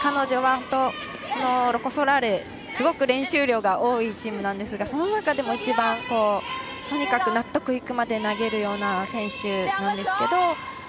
ロコ・ソラーレすごく練習量が多いチームなんですがその中でも一番、とにかく納得行くまで投げるような選手なんですけども。